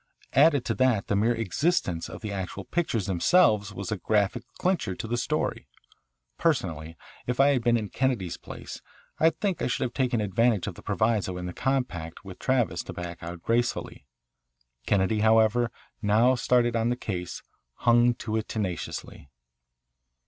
Added to that the mere existence of the actual pictures themselves was a graphic clincher to the story. Personally, if I had been in Kennedy's place I think I should have taken advantage of the proviso in the compact with Travis to back out gracefully. Kennedy, however, now started on the case, hung to it tenaciously.